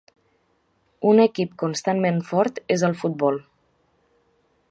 Un equip constantment fort és el futbol.